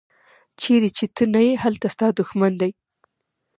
چیرې چې ته نه یې هلته ستا دوښمن دی.